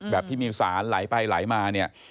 ที่มีสารไหลไปไหลมาเนี่ย